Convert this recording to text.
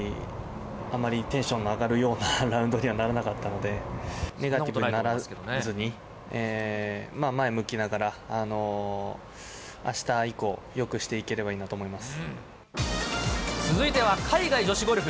あまりテンションの上がるようなラウンドにはならなかったので、ネガティブにならずに、前を向きながら、あした以降、よくしてい続いては海外女子ゴルフ。